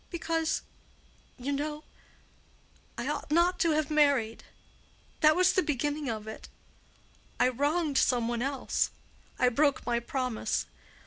Because—you know—I ought not to have married. That was the beginning of it. I wronged some one else. I broke my promise.